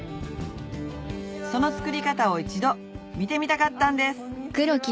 その作り方を一度見てみたかったんです